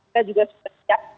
kita juga sudah siap